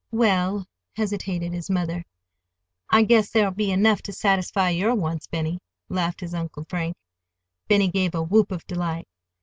"Well—" hesitated his mother. "I guess there'll be enough to satisfy your wants, Benny," laughed his Uncle Frank. Benny gave a whoop of delight.